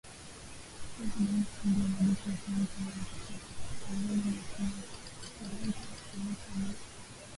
Pia kuna hofu kwamba wanajeshi wa shirika la mkataba kaskazini mwa atlantiki walioko mashariki mwa Ulaya wanaweza kulengwa iwapo matukio yanaongezeka